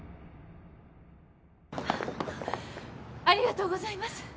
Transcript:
ありがとうございます